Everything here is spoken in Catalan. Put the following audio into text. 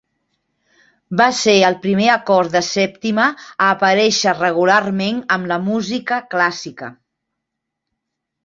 Va ser el primer acord de sèptima a aparèixer regularment en la música clàssica.